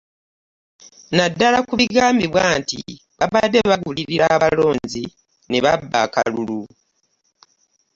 Naddala ku bigambibwa nti baabadde bagulirira abalonzi n'ababba akalulu.